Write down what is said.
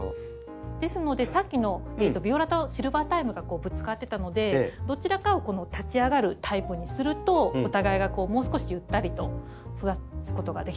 ですのでさっきのビオラとシルバータイムがぶつかってたのでどちらかを立ち上がるタイプにするとお互いがもう少しゆったりと育つことができたかなという。